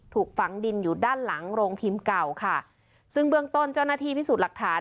ถูกฝังดินอยู่ด้านหลังโรงพิมพ์เก่าค่ะซึ่งเบื้องต้นเจ้าหน้าที่พิสูจน์หลักฐาน